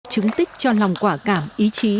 chứng tích cho lòng quả cảm ý chí